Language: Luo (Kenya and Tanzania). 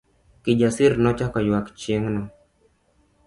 Kijasir nochako ywak chieng'no.